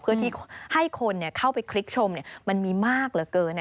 เพื่อที่ให้คนเข้าไปคลิกชมมันมีมากเหลือเกิน